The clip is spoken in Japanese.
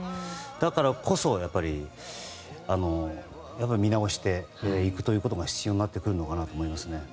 だからこそ、やっぱり見直していくということが必要になってくるのかなと思いますね。